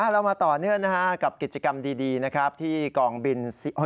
เรามาต่อเนื่องกับกิจกรรมดีนะครับที่กองบิน๑๖